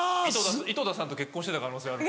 井戸田さんと結婚してた可能性ある。